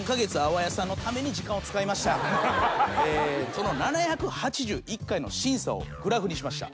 その７８１回の審査をグラフにしました。